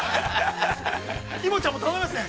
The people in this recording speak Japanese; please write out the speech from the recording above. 井森ちゃんも頼みますね。